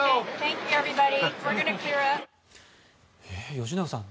吉永さん